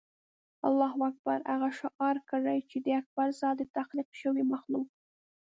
الله اکبر هغه شعار کړي چې د اکبر ذات د تخلیق شوي مخلوق.